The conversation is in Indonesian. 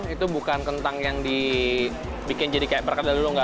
itu bukan kentang yang dibikin jadi kayak perkedel dulu nggak